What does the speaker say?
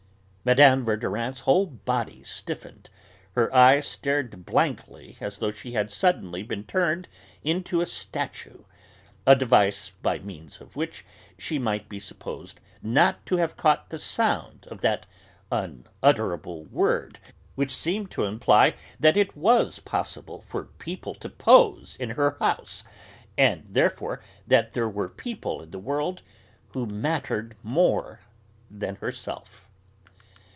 '" Mme. Verdurin's whole body stiffened, her eyes stared blankly as though she had suddenly been turned into a statue; a device by means of which she might be supposed not to have caught the sound of that unutterable word which seemed to imply that it was possible for people to 'pose' in her house, and, therefore, that there were people in the world who 'mattered more' than herself.